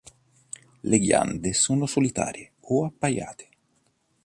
Le ghiande sono solitarie o appaiate.